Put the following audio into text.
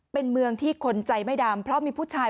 เป็นเมืองที่คนใจไม่ดำเพราะมีผู้ชาย